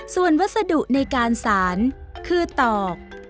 ส่วนวัสดุในการสารคือตอก